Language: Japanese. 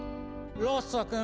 ロッソさん！